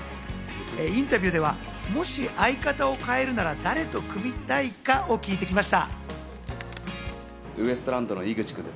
インタビューでは、もし相方を変えるなら、誰と組みたいかを聞いてきました。